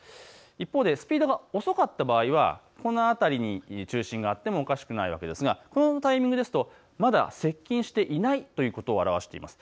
一方でスピードが遅かった場合はこの辺りに中心があってもおかしくないわけですがこのタイミングですとまだ接近していないということを表しています。